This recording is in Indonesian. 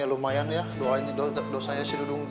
lumayan ya dosanya si dudung